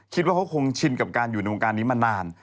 คิดว่าเขาคงชินกับการอยู่ในวงการนี้มานาน